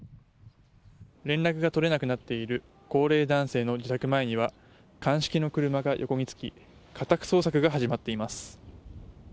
連絡が取れなくなっている高齢男性の自宅前には鑑識の車が横につき家宅捜索が始まっています。